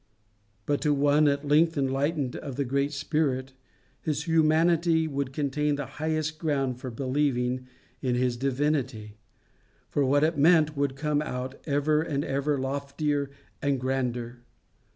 But to one at length enlightened of the great Spirit, his humanity would contain the highest ground for believing in his divinity, for what it meant would come out ever and ever loftier and grander.